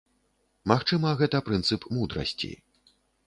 Магчыма, гэта прынцып мудрасці.